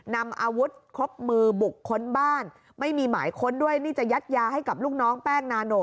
นำอาวุธครบมือบุกค้นบ้านไม่มีหมายค้นด้วยนี่จะยัดยาให้กับลูกน้องแป้งนาโน